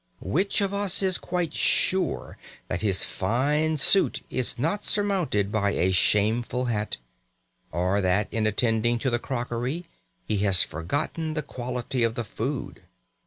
Which of us is quite sure that his fine suit is not surmounted by a shameful hat, or that in attending to the crockery he has forgotten the quality of the food?